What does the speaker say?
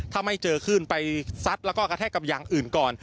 ถ้าไม่เจอขึ้นไปซัดแล้วก็กระแทกกับอย่างอื่นก่อน